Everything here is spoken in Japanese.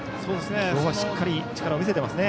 ここはしっかり力を見せていますね。